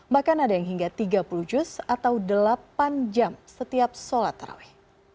bahkan ada yang hingga tiga puluh juz atau delapan jam setiap sholat terawih